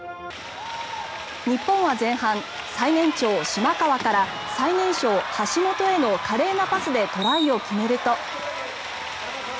日本は前半最年長、島川から最年少、橋本への華麗なパスでトライを決めると。